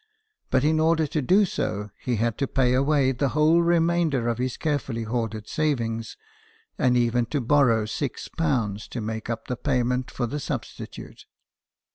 But in order to do so, he had to pay away the whole remainder of his carefully hoarded savings, and even to borrow 6 to make up the payment for the substitute.